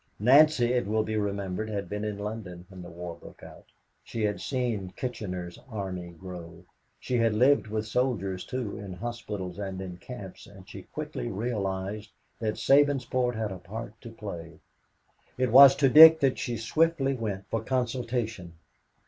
Nancy, it will be remembered, had been in London when the war broke out. She had seen Kitchener's army grow. She had lived with soldiers, too, in hospitals and in camps, and she quickly realized that Sabinsport had a part to play. It was to Dick that she swiftly went for consultation.